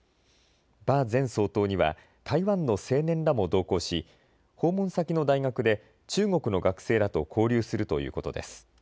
馬前総統には台湾の青年らも同行し訪問先の大学で中国の学生らと交流するということです。